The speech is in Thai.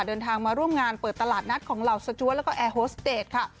เดินทางมาร่วมงานเปิดตลาดนัดของเหล่าสจวดแล้วก็แอร์โฮสเตจค่ะ